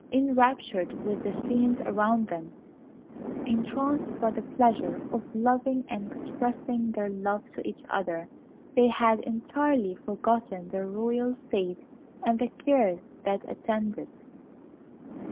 Enraptured with the scenes around them, entranced by the pleasure of loving and expressing their love to each other, they had entirely forgotten their royal state and the cares that attend it.